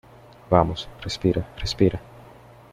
vamos, respira , respira.